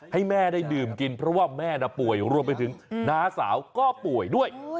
ให้แม่ได้ดื่มกินเพราะว่าแม่น่ะป่วยรวมไปถึงน้าสาวก็ป่วยด้วย